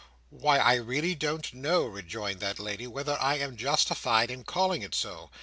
"Why, I really don't know," rejoined that lady, "whether I am justified in calling it so.